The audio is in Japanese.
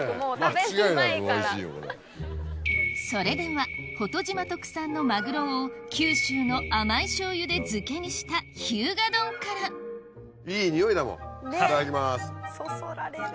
それでは保戸島特産のマグロを九州の甘い醤油で漬けにしたひゅうが丼からいい匂いだもんいただきます。